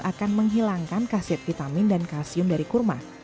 akan menghilangkan kaset vitamin dan kalsium dari kurma